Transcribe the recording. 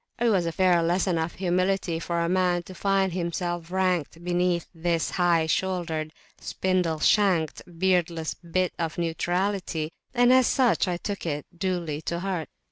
It was a fair lesson of humility for a man to find himself ranked beneath this high shouldered, spindle shanked, beardless bit of neutrality; and as such I took it duly to heart.